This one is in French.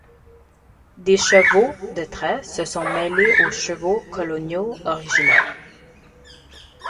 Des chevaux de trait se sont mêlés aux chevaux coloniaux originels.